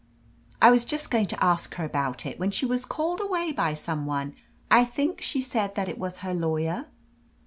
"I was just going to ask her about it, when she was called away by some one. I think she said that it was her lawyer."